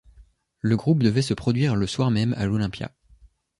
Le groupe devait se produire le soir même à l'Olympia.